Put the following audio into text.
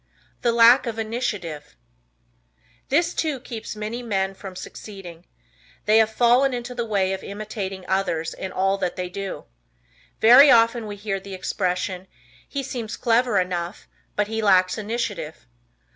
The Lack of Initiative. This, too, keeps many men from succeeding. They have fallen into the way of imitating others in all that they do. Very often we hear the expression, "He seems clever enough, but he lacks initiative."